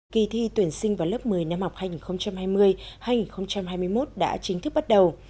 kỳ thi tuyển sinh vào lớp một mươi năm học hai nghìn hai mươi hai nghìn hai mươi một đã chính thức bắt đầu